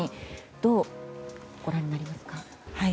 どうご覧になりますか？